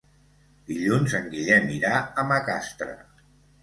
Dilluns en Guillem irà a Macastre.